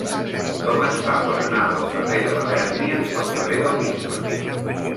Com es fa per anar del carrer de Labèrnia al carrer del Bisbe?